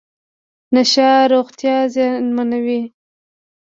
نشه روغتیا زیانمنوي .